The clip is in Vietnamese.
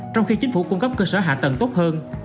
trong khi chính phủ cung cấp cơ sở hạ tầng tốt hơn